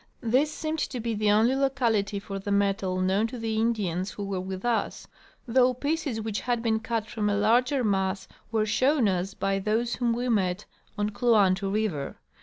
This seemed to be the only locality for the metal known to the Indians who were with us, though pieces which had been cut from a larger mass were shown us by those whom we met on Kluantu river.